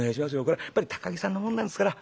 これはやっぱり高木さんのもんなんですから。